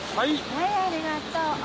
はいありがとう。